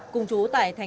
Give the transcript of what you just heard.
cùng chú tại tp hcm